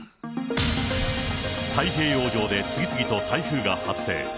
太平洋上で次々と台風が発生。